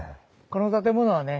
この建物はね